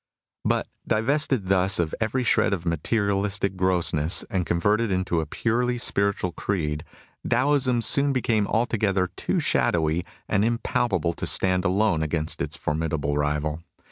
'* But divested thus of every shred of materialis tic grossness, and converted into a purely spiritual creed, Taoism soon became altogether too shadowy and impalpable to stand alone against its formidable rival.